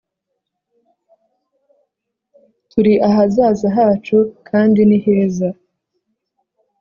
turi ahazaza hacu kandi niheza